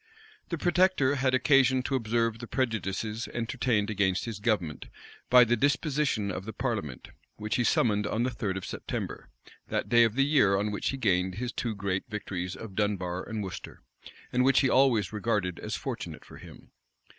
The protector had occasion to observe the prejudices entertained against his government, by the disposition of the parliament, which he summoned on the third of September, that day of the year on which he gained his two great victories of Dunbar and Worcester, and which he always regarded as fortunate for him.